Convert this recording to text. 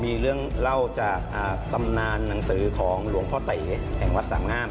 มีเรื่องเล่าจากตำนานหนังสือของหลวงพ่อเต๋แห่งวัดสามงาม